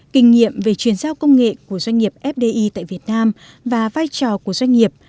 kinh nghiệm về chuyển giao công nghệ của doanh nghiệp fdi tại việt nam và vai trò của doanh nghiệp